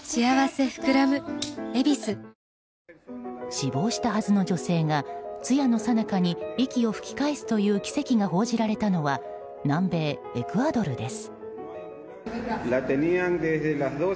死亡したはずの女性が通夜の最中に息を吹き返すという奇跡が報じられたのは南米エクアドルです。